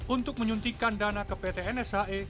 untuk menyuntikkan dana ke pt nshe